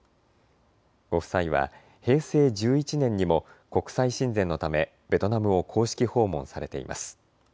ご夫妻は平成１１年にも国際親善のためベトナムを公式訪問されています。